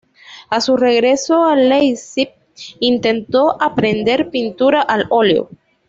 A su regreso a Leipzig, intentó aprender pintura al óleo.